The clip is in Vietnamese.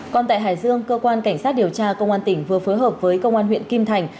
còn tại hải dương cơ quan cảnh sát điều tra công an tỉnh vừa phối hợp với công an huyện kim thành